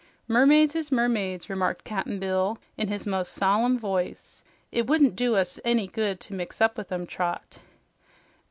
"Mermaids is mermaids," remarked Cap'n Bill in his most solemn voice. "It wouldn't do us any good to mix up with 'em, Trot."